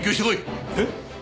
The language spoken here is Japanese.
えっ？